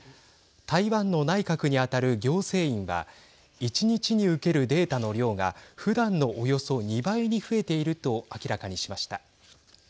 台湾の内閣に当たる行政院は１日に受けるデータの量がふだんの、およそ２倍に増えていると明らかにしました。